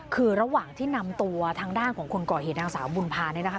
คือระหว่างที่นำตัวทางด้านของคนก่อเหตุนางสาวบุญภาเนี่ยนะคะ